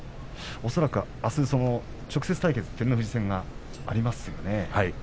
恐らく、あすは直接対決照ノ富士戦がありますよね。